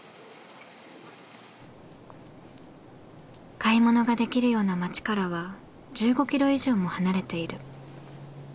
買い物ができるような街からは１５キロ以上も離れている。